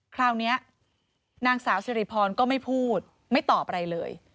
คราวนี้นางสาวสิริพรก็ไม่พูดไม่ตอบอะไรเลย